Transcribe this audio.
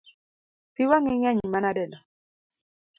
Pi wang’i ngeny manadeno?